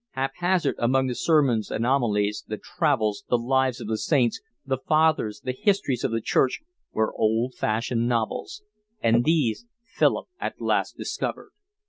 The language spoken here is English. Haphazard among the sermons and homilies, the travels, the lives of the Saints, the Fathers, the histories of the church, were old fashioned novels; and these Philip at last discovered.